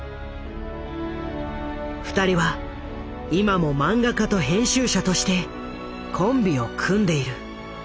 ２人は今も漫画家と編集者としてコンビを組んでいる。